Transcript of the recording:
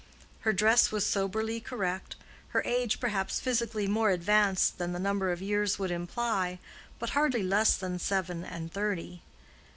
Her dress was soberly correct, her age, perhaps, physically more advanced than the number of years would imply, but hardly less than seven and thirty.